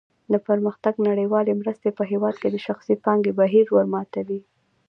د پرمختګ نړیوالې مرستې په هېواد کې د شخصي پانګې بهیر ورماتوي.